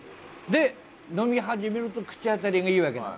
で飲み始めると口当たりがいいわけだ。